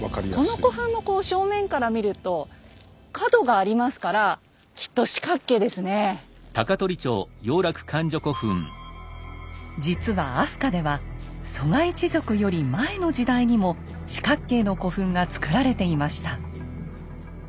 この古墳も正面から見ると角がありますから実は飛鳥では蘇我一族より前の時代にも四角形の古墳がつくられていました。